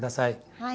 はい。